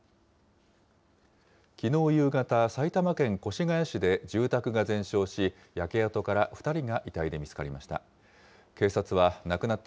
きのう夕方、埼玉県越谷市で住宅が全焼し、焼け跡から２人が遺体で見つかりました。